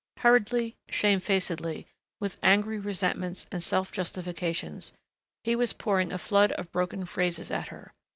Hurriedly, shamefacedly, with angry resentments and self justifications, he was pouring a flood of broken phrases at her.